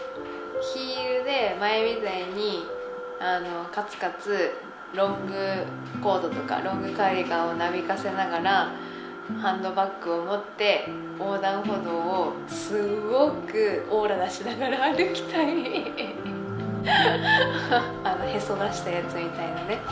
ヒールで前みたいにあのカツカツロングコートとかロングカーディガンをなびかせながらハンドバッグを持って横断歩道をすっごくオーラ出しながら歩きたいあのヘソ出したやつみたいなね